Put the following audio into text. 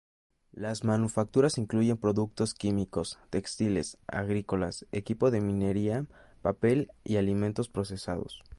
Las manufacturas incluyen productos químicos, textiles, agrícolas, equipo de minería, papel y alimentos procesados.